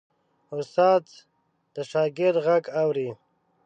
استاد د شاګرد غږ اوري.